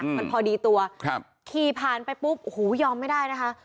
มันพอดีตัวขี่ผ่านไปปุ๊บโอ้โหยอมไม่ได้นะคะ